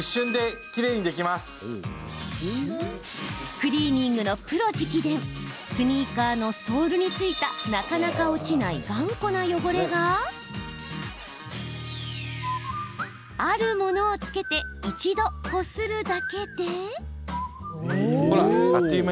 クリーニングのプロ直伝スニーカーのソールに付いたなかなか落ちない頑固な汚れがあるものを付けて一度、こするだけで。